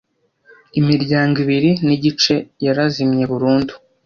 imiryango ibiri n igice yarazimye burundu